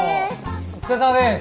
お疲れさまです。